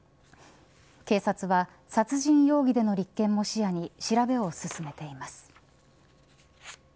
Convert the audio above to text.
警察は殺人容疑での立件も視野に調べを進めています。